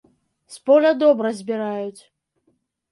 З поля добра збіраюць.